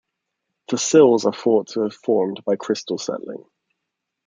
The sills are thought to have formed by crystal settling.